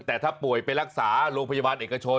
แต่ถ้าป่วยไปรักษาโรงพยาบาลเอกชน